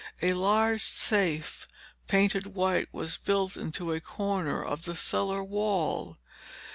A large safe, painted white, was built into a corner of the cellar wall.